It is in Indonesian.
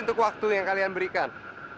untuk waktu yang kalian berikan